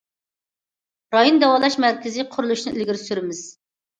رايون داۋالاش مەركىزى قۇرۇلۇشىنى ئىلگىرى سۈرىمىز.